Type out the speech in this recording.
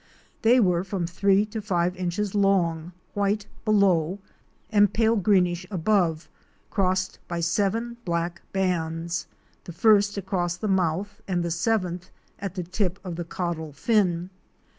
They were from three to five inches long, white below, and pale greenish above crossed by seven black bands, the first across the mouth and the seventh at the tip of the caudal fin.